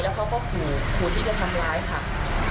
แล้วเค้าก็ขูขูที่จะทำร้ายครับ